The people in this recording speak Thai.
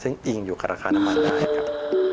ซึ่งอิงอยู่กับราคาน้ำมันได้ครับ